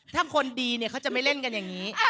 ถ้าคนดีเนี่ยเขาจะไม่เล่นกันอย่างนี้